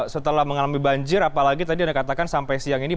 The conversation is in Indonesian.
setelah mengalami banjir apalagi tadi anda katakan sampai siang ini